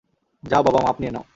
যাও বাবা মাপ নিয়ে নাও।